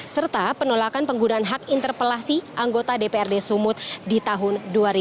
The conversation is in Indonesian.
serta penolakan penggunaan hak interpelasi anggota dprd sumut di tahun dua ribu dua puluh